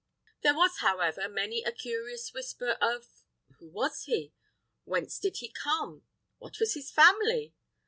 There was, however, many a curious whisper of Who was he? Whence did he come? What was his family?